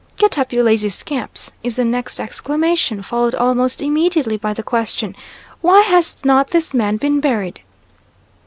"Get up, you lazy scamps," is the next exclamation, followed almost immediately by the question, "Why has not this man been buried?"